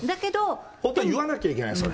本当に言わなきゃいけない、それ。